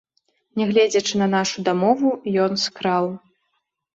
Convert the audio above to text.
Нягледзячы на нашу дамову, ён скраў.